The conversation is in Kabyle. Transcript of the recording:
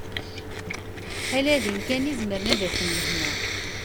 Ala din kan i zemren ad afen lehna.